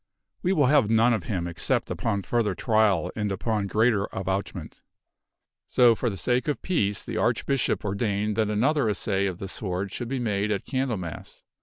We will have none of him except upon further trial and upon greater avouchment." So, for the sake of peace, the Archbishop ordained that another assay of the sword should be made at Candlemas